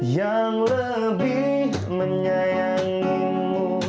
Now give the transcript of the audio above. yang lebih menyayangimu